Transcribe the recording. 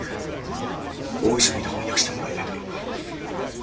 大急ぎで翻訳してもらえないだろうか。